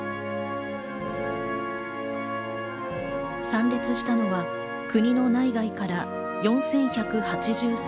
参列したのは国の内外から４１８３人。